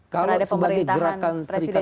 kalau sebagai gerakan serikat